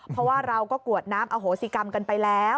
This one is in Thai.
เพราะว่าเราก็กรวดน้ำอโหสิกรรมกันไปแล้ว